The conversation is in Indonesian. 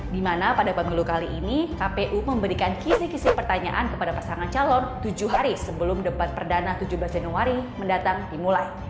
di mana pada pemilu kali ini kpu memberikan kisi kisi pertanyaan kepada pasangan calon tujuh hari sebelum debat perdana tujuh belas januari mendatang dimulai